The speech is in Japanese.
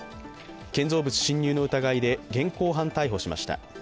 建造物侵入の疑いで現行犯逮捕しました。